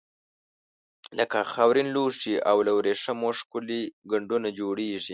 لکه خاورین لوښي او له وریښمو ښکلي ګنډونه جوړیږي.